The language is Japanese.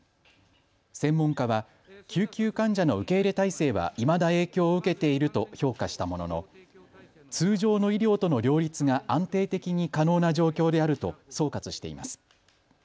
専門家は救急患者の受け入れ体制はいまだ影響を受けていると評価したものの通常の医療との両立が安定的に可能な状況であると総括しています。